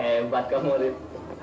hebat kamu dit